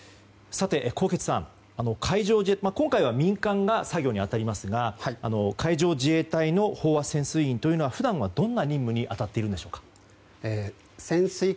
纐纈さん、今回は民間が作業に当たりますが海上自衛隊の飽和潜水員というのは普段はどんな任務に当たっているんでしょうか。